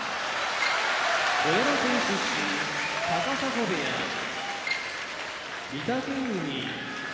富山県出身高砂部屋御嶽海